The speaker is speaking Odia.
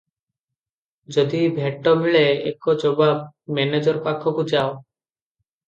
ଯଦି ଭେଟ ମିଳେ, ଏକ ଜବାବ, "ମେନେଜର ପାଖକୁ ଯାଅ ।"